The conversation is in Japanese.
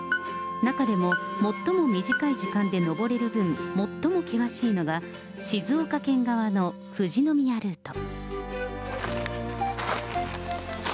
中でも最も短い時間で登れる分、最も険しいのが、静岡県側の富士宮ルート。